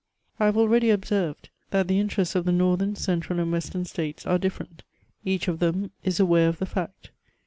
I have already observed, that the interests of the Northern, Central, and Western States are different; each of them is aware of the fact.